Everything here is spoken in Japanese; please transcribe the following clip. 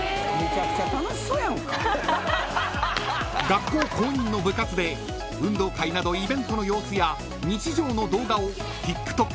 ［学校公認の部活で運動会などイベントの様子や日常の動画をＴｉｋＴｏｋにアップしている］